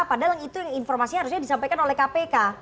padahal itu yang informasinya harusnya disampaikan oleh kpk